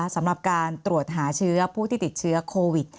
สำหรับการตรวจหาเชื้อผู้ที่ติดเชื้อโควิด